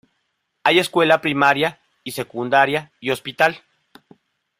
Hay escuela primaria y secundaria y Hospital.